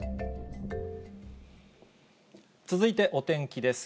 続いてお天気です。